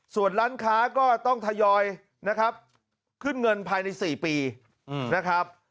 ส่วนร้านค้าก็ต้องทยอยนะครับขึ้นเงินภายใน๔ปีนะครับ